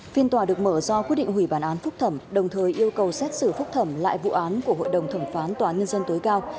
phiên tòa được mở do quyết định hủy bản án phúc thẩm đồng thời yêu cầu xét xử phúc thẩm lại vụ án của hội đồng thẩm phán tòa án nhân dân tối cao